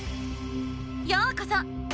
ようこそ！